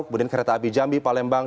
kemudian kereta api jambi palembang